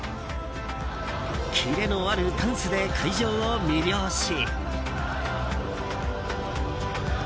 キレのあるダンスで会場を魅了し。